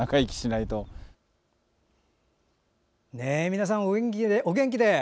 皆さん、お元気で。